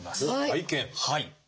はい。